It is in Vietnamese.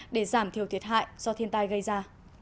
để giảm thiểu thiệt hại do thiên tai gây ra